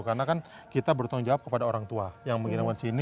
karena kan kita bertanggung jawab kepada orang tua yang mengirangkan sini